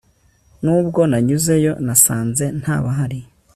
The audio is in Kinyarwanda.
nubwo nanyuze yo nasanze ntabahari